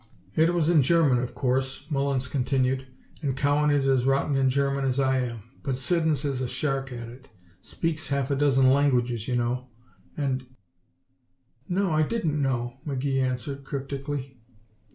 "It was in German, of course," Mullins continued, "and Cowan is as rotten in German as I am. But Siddons is a shark at it. Speaks half a dozen languages, you know, and " "No, I didn't know," McGee answered, cryptically.